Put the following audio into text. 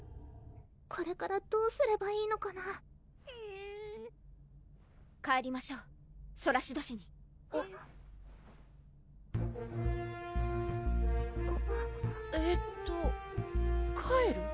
これからどうすればいいのかなえるぅ帰りましょうソラシド市にえっと帰る？